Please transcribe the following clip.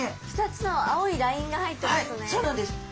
２つの青いラインが入っていますね。